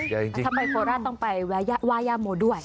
ทำไมโคราชต้องไปวายาโหมด้วย